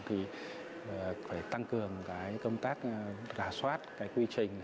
thì phải tăng cường công tác rà soát quy trình